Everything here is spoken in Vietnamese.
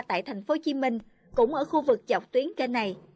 tại thành phố hồ chí minh cũng ở khu vực dọc tuyến kênh này